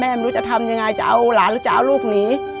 ไม่รู้จะทำยังไงจะเอาหลานหรือจะเอาลูกหนี